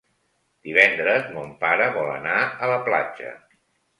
Divendres mon pare vol anar a la platja.